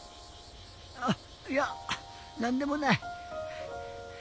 あっいやなんでもない。